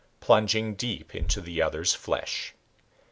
Plunging deep into the other's flesh.